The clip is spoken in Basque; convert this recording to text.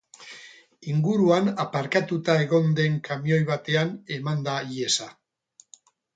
Inguruan aparkatuta egon den kamioi batean eman da ihesa.